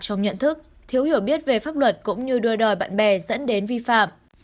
trong nhận thức thiếu hiểu biết về pháp luật cũng như đưa đòi bạn bè dẫn đến vi phạm